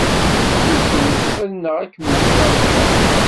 susem ad neɣ kem-wteɣ ɣer lḥiḍ.